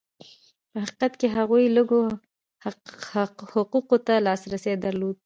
په حقیقت کې هغوی لږو حقوقو ته لاسرسی درلود.